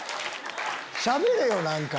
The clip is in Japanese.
しゃべれよ何か。